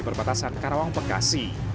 perbatasan karawang bekasi